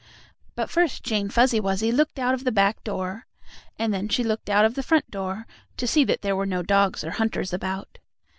But first Jane Fuzzy Wuzzy looked out of the back door, and then she looked out of the front door, to see that there were no dogs or hunters about.